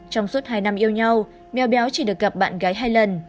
trong suốt hai năm yêu nhau mèo béo chỉ được gặp bạn gái hai lần